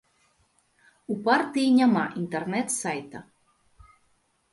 У партыі няма інтэрнэт сайта.